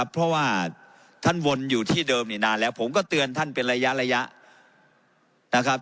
เพราะว่าท่านวนอยู่ที่เดิมนี่นานแล้วผมก็เตือนท่านเป็นระยะนะครับ